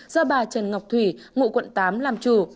do bà trần ngọc thủy ngụ quận tám làm chủ